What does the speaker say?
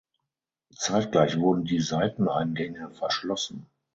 Zeitgleich wurden die Seiteneingänge verschlossen.